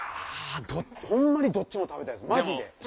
ホンマにどっちも食べたいですマジで。